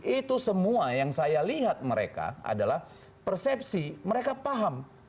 itu semua yang saya lihat mereka adalah persepsi mereka paham